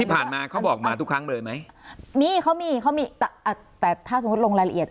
ที่ผ่านมาเขาบอกมาทุกครั้งเลยมั้ยมีเขามีเขามีอ่าแต่ถ้าสมมุติลงรายละเอียด